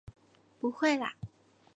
不会啦！